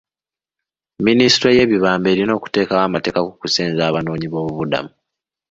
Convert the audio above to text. Minisitule y'ebibamba erina okuteekawo amateeka ku kusenza abanoonyiboobubudamu.